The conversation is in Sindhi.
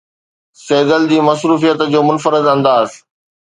سيدل جي مصروفيت جو منفرد انداز